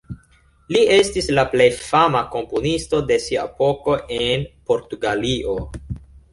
Li estis la plej fama komponisto de sia epoko en Portugalio.